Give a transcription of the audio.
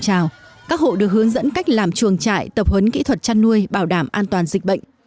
các hộ được hướng dẫn cách làm chuồng trại tập hấn kỹ thuật chăn nuôi bảo đảm an toàn dịch bệnh